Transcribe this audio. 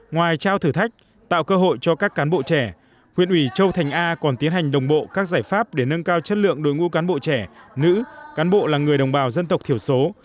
ngoài trao thử thách tạo cơ hội cho các cán bộ trẻ huyện ủy châu thành a còn tiến hành đồng bộ các giải pháp để nâng cao chất lượng đối ngũ cán bộ trẻ nữ cán bộ là người đồng bào dân tộc thiểu số